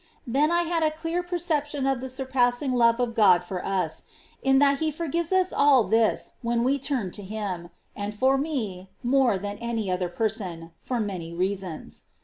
Then I had a clear perception of the surpassing love of God for us, in that He forgives us all this when we turn to Him, and for me more than for any other, for many reasons.